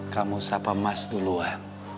kamu siapa mas duluan